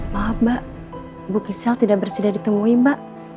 maaf mbak ibu gisel tidak bersedia ditemui mbak